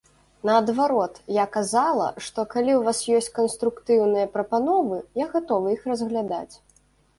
Наадварот, я казала, што калі ў вас ёсць канструктыўныя прапановы, я гатовая іх разглядаць.